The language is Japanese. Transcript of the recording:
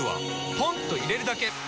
ポンと入れるだけ！